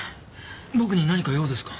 僕に何か用ですか？